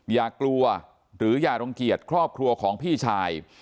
อย่ากลัวหรืออย่ารังเกียจครอบครัวของพี่ชาย